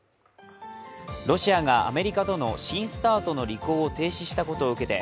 ロシアがアメリカとの新ＳＴＡＲＴの履行を停止したことを受けて